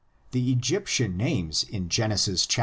the Egyptian names in Genesis xli.